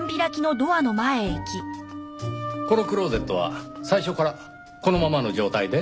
このクローゼットは最初からこのままの状態で？